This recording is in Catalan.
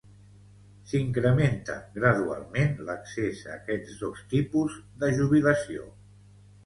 S'incrementa gradualment l'accés a aquests dos tipus de jubilació.